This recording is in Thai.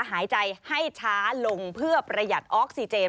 หายใจให้ช้าลงเพื่อประหยัดออกซิเจน